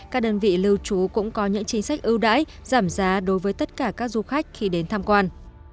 các đơn vị lưu trú cũng có những chính sách ưu đãi giảm giá đối với tất cả các du khách khi đến tham quan